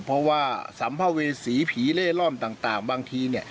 เพราะว่าสัมภเวษีผีเล่ร่อนต่างบางที